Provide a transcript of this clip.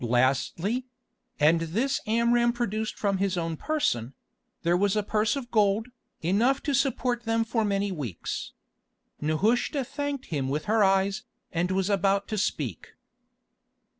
Lastly—and this Amram produced from his own person—there was a purse of gold, enough to support them for many weeks. Nehushta thanked him with her eyes, and was about to speak.